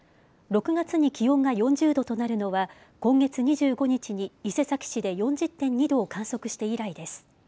６月に気温が４０度となるのは今月２５日に伊勢崎市で４０．２度を観測して以来です。